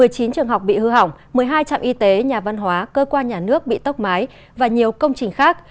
một mươi chín trường học bị hư hỏng một mươi hai trạm y tế nhà văn hóa cơ quan nhà nước bị tốc mái và nhiều công trình khác